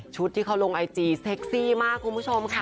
ที่เขาลงไอจีเซ็กซี่มากคุณผู้ชมค่ะ